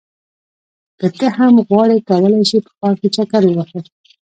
که ته هم غواړې کولی شې په ښار کې چکر ووهې.